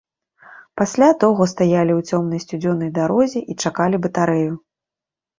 Пасля доўга стаялі ў цёмнай сцюдзёнай дарозе і чакалі батарэю.